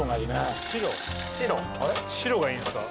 白がいいんですか？